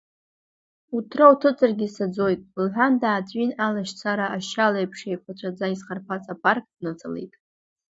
Уҭра уҭыҵыргьы саӡоит, — лҳәан, дааҵәин, алашьцара ашьал еиԥш еиқәаҵәаӡа изхарԥаз апарк дныҵалеит.